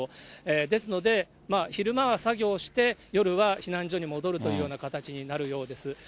ですので、昼間は作業して、夜は避難所に戻るというような形になるようです。